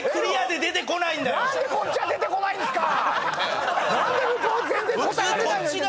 何でこっちは出てこないんすか⁉